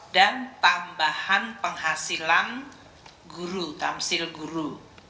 dan tambahan penghasilan guru tamsil guru